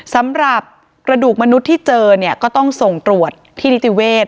สำหรับกระดูกมนุษย์ที่เจอเนี่ยก็ต้องส่งตรวจที่นิติเวศ